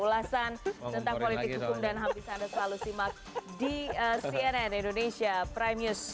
ulasan tentang politik hukum dan habis anda selalu simak di cnn indonesia prime news